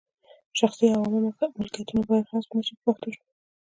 شخصي او عامه ملکیتونه باید غصب نه شي په پښتو ژبه.